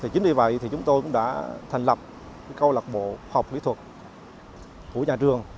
chính vì vậy chúng tôi cũng đã thành lập câu lạc bộ học lý thuật của nhà trường